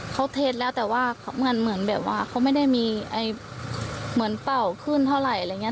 เขาเท็จแล้วแต่ว่าเหมือนแบบว่าเขาไม่ได้มีเหมือนเป่าขึ้นเท่าไหร่อะไรอย่างนี้